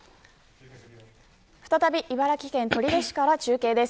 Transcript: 再び茨城県取手市から中継です。